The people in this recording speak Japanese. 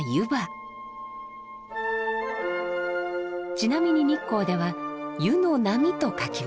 ちなみに日光では「湯の波」と書きます。